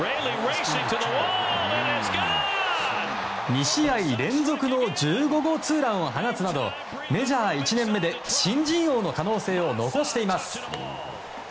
２試合連続の１５号ツーランを放つなどメジャー１年目で新人王の可能性を残しています。